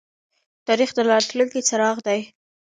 تاریخ د راتلونکي څراغ دی